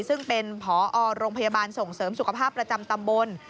ซึ่งเป็นผอโรงพยาบาลส่งเสริมสุขภาพประจำตำบล